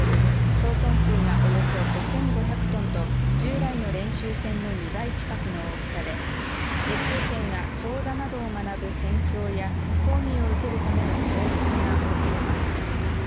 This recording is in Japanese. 総トン数がおよそ５５００トンと従来の練習船の２倍近くの大きさで実習生が操だなどを学ぶ船橋や講義を受けるための教室が設けられています。